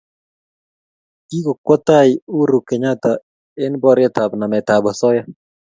Kikokwa tai uhuru Kenyatta eng borietap nametab osoya